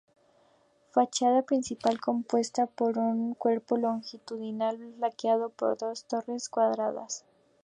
Fachada principal compuesta por un cuerpo longitudinal flanqueado por dos torres cuadradas.